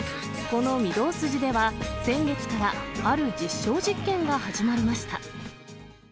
この御堂筋では、先月からある実証実験が始まりました。